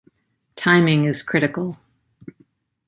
Timing is critical.